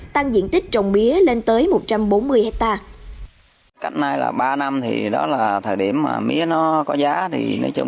tăng diện tích trồng mía lên tới một trăm linh